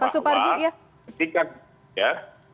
pak suparju ya